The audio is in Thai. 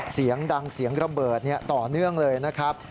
เสียงดังเสียงระเบิดต่อเนื่องเลยนะครับ